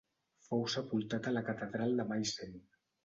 Fou sepultat a la catedral de Meissen.